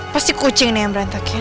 pasti kucing nih yang berantakin